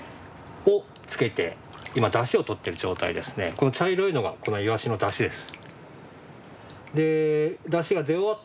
この茶色いのがこのイワシのだしです。